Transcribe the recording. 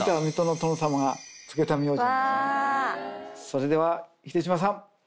それでは秀島さん